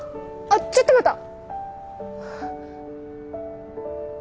あっちょっと待った！